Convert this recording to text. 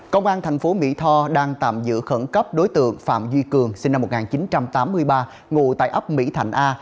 công an thành phố mỹ tho đang tạm giữ khẩn cấp đối tượng phạm duy cường sinh năm một nghìn chín trăm tám mươi ba ngụ tại ấp mỹ thành a